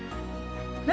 何？